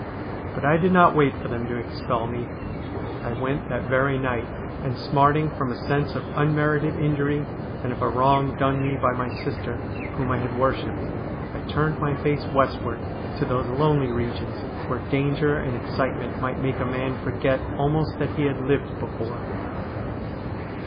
But I did not wait for them to expel me. I went that very night, and, smarting from a sense of unmerited injury, and of a wrong done me by my sister whom I had worshipped, I turned my face westward to those lonely regions where danger and ex citement might make a man forget almost that he had lived before.